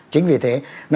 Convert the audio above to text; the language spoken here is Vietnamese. chính vì thế